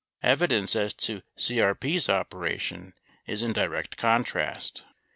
Evidence as to CRP's operation is in direct contrast.